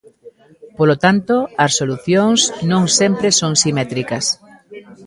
Polo tanto, as solucións non sempre son simétricas.